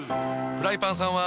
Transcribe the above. フライパンさんは。